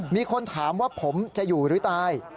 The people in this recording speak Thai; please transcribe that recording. มีคนถามว่าผมจะอยู่หรือตาย